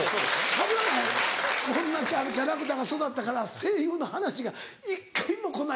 かぶらない⁉こんなキャラクターが育ったから声優の話が一回も来ないという。